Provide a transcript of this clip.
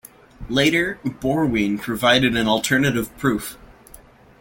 Later, Borwein provided an alternative proof.